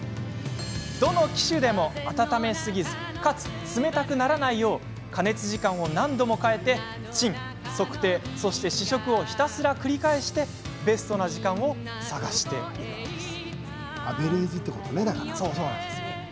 どの機種でも温めすぎずかつ冷たくならないよう加熱時間を何度も変えチン、測定、そして試食をひたすら繰り返してベストな時間を探しているのです。